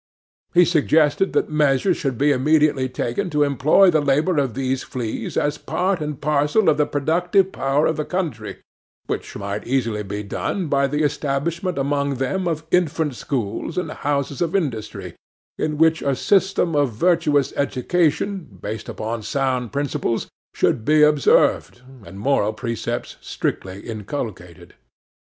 He suggested that measures should be immediately taken to employ the labour of these fleas as part and parcel of the productive power of the country, which might easily be done by the establishment among them of infant schools and houses of industry, in which a system of virtuous education, based upon sound principles, should be observed, and moral precepts strictly inculcated.